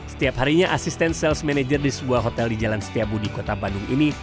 setiap harinya asisten sales manager di sebuah hotel di jalan setiabudi kota bandung ini